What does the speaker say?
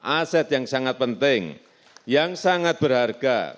aset yang sangat penting yang sangat berharga